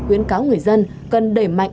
khuyến cáo người dân cần đẩy mạnh